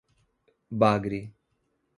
Bagre